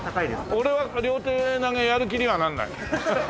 俺は両手投げやる気にはならない。